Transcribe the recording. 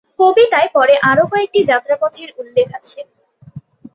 কবিতায় পরে আরও কয়েকটি যাত্রাপথের উল্লেখ আছে।